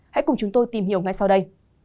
hãy cùng chúng tôi tìm hiểu ngay sau đây